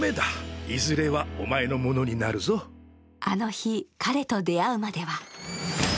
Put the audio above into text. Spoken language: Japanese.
あの日、彼と出会うまでは。